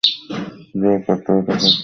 যা হোক, পত্রপাট একটা বিচার করে লিখবে।